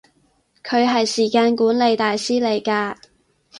佢係時間管理大師嚟㗎